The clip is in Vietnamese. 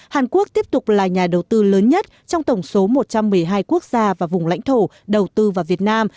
hàn quốc tiếp tục là nhà đầu tư lớn nhất trong tổng số một trăm một mươi hai quốc gia và vùng lãnh thổ đầu tư vào việt nam